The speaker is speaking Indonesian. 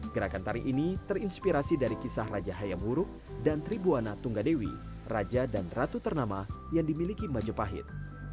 gerakan tari ini terinspirasi dari kisah raja hayam huruf dan tribuana tunggadewi raja dan ratu ternama yang dimiliki majapahit